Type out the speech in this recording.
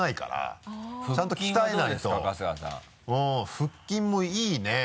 腹筋もいいね。